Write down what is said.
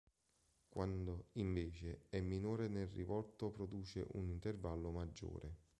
Quando, invece, è minore nel rivolto produce un intervallo maggiore.